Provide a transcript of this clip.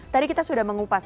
tadi kita sudah mengupas